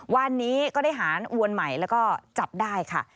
วันนี้ก็ได้หารอวนใหม่แล้วก็จับได้ค่ะ